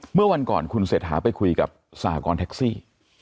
เมื่อวันก่อนคุณเศรษฐาไปคุยกับสหกรณ์แท็กซี่